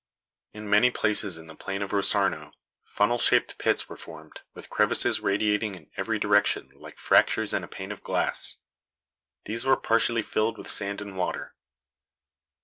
In many places in the plain of Rosarno, funnel shaped pits were formed, with crevices radiating in every direction like fractures in a pane of glass. These were partially filled with sand and water.